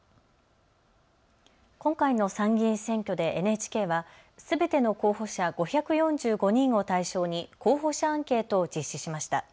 今回の参議院選挙でＮＨＫはすべての候補者５４５人を対象に候補者アンケートを実施しました。